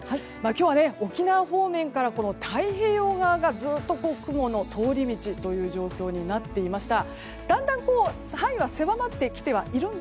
今日は沖縄方面から太平洋側がずっと雲の通り道という状況になっていました。